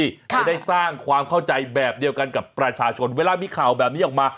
จะได้สร้างความเข้าใจแบบเดียวกันกับประชาชนเวลามีข่าวแบบนี้ออกมา